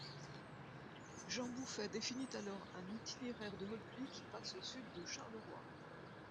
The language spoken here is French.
Jean Bouffet définit alors un itinéraire de repli qui passe au sud de Charleroi.